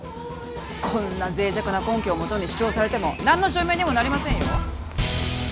こんな脆弱な根拠をもとに主張されても何の証明にもなりませんよ